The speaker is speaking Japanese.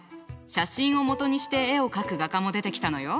写真を基にして絵を描く画家も出てきたのよ。